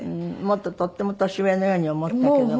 もっととっても年上のように思ったけど。